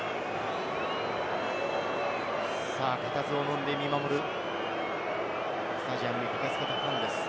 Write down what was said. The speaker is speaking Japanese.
固唾をのんで見守る、スタジアムに駆けつけたファンです。